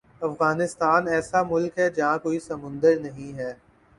افغانستان ایسا ملک ہے جہاں کوئی سمندر نہیں ہے